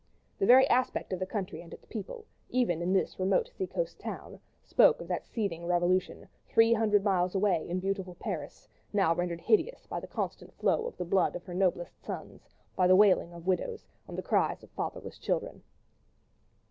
The very aspect of the country and its people, even in this remote sea coast town, spoke of that seething revolution, three hundred miles away, in beautiful Paris, now rendered hideous by the constant flow of the blood of her noblest sons, by the wailing of the widows, and the cries of fatherless children.